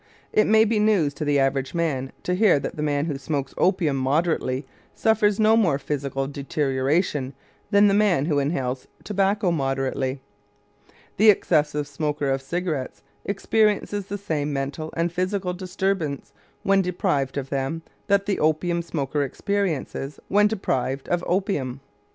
It may be news to the average man to hear that the man who smokes opium moderately suffers no more physical deterioration than the man who inhales tobacco moderately. The excessive smoker of cigarettes experiences the same mental and physical disturbance when deprived of them that the opium smoker experiences when deprived of opium.